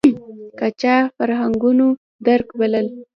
که چا فرهنګونو درک بلل